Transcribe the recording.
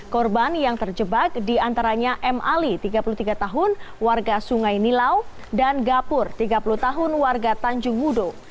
korban yang terjebak diantaranya m ali tiga puluh tiga tahun warga sungai nilau dan gapur tiga puluh tahun warga tanjung wudo